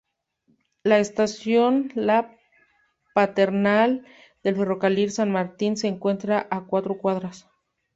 La estación La Paternal del ferrocarril San Martín se encuentra a cuatro cuadras.